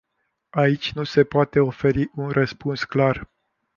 Aici nu se poate oferi un răspuns clar.